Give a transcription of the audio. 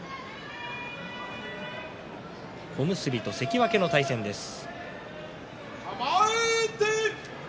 小結と関脇の対戦です。